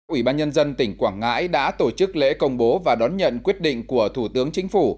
ủy ban nhân dân tỉnh quảng ngãi đã tổ chức lễ công bố và đón nhận quyết định của thủ tướng chính phủ